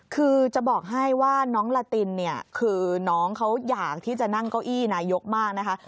คือจะบอกให้ว่าน้องลาตินเนี่ยคือน้องเขาอยากที่จะนั่งเก้าอี้นายกมากนะคะ